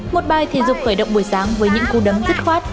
một bài thể dục khởi động buổi sáng với những cú đấm dứt khoát